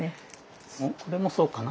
これもそうかな？